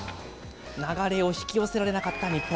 流れを引き寄せられなかった日本。